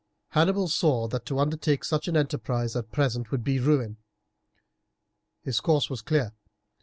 Hannibal saw that to undertake such an enterprise at present would be ruin. His course was clear.